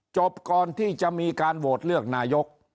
จบก่อนที่จะมีการโหวตเลือกนายก